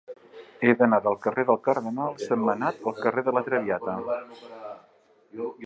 He d'anar del carrer del Cardenal Sentmenat al carrer de La Traviata.